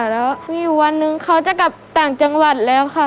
แล้วมีวันหนึ่งเขาจะกลับต่างจังหวัดแล้วค่ะ